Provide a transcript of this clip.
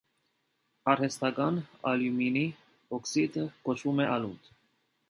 Արհեստական ալյումինի օքսիդը կոչվում է ալունդ։